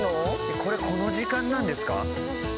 これこの時間なんですか？